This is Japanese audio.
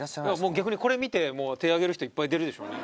逆にこれ見て手挙げる人いっぱい出るでしょうね